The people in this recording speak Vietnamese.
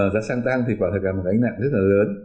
giá xăng tăng thì quả thực là một gánh nặng rất là lớn